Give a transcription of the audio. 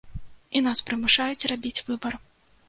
І нас прымушаюць рабіць выбар.